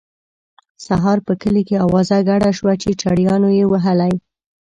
سهار په کلي کې اوازه ګډه شوه چې چړیانو یې وهلی.